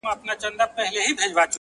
دا ستا ښكلا ته شعر ليكم;